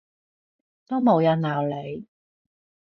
都冇人鬧你